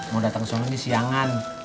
mau datang suami siangan